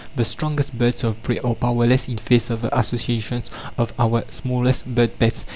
The strongest birds of prey are powerless in face of the associations of our smallest bird pets.